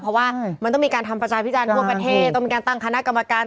เพราะว่ามันต้องมีการทำประชาพิจารณ์ทั่วประเทศต้องมีการตั้งคณะกรรมการ